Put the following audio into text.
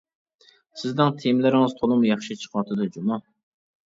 سىزنىڭ تېمىلىرىڭىز تولىمۇ ياخشى چىقىۋاتىدۇ جۇمۇ.